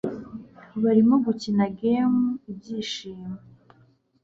barimo gukina game ibyishimo